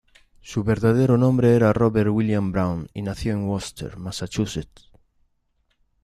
Su verdadero nombre era Robert William Browne, y nació en Worcester, Massachusetts.